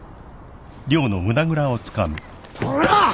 こら！